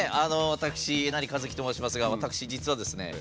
私えなりかずきと申しますが私実はですね